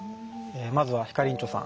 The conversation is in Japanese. まずはひかりんちょさん